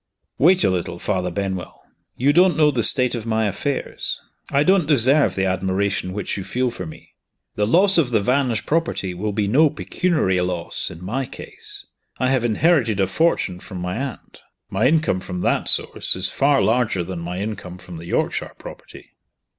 "Wait a little, Father Benwell! You don't know the state of my affairs. I don't deserve the admiration which you feel for me. The loss of the Vange property will be no pecuniary loss, in my case. I have inherited a fortune from my aunt. My income from that source is far larger than my income from the Yorkshire property."